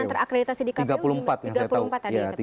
yang terakreditasi di kpu tiga puluh empat tadi